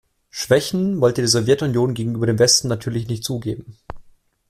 Schwächen wollte die Sowjetunion gegenüber dem Westen natürlich nicht zugeben.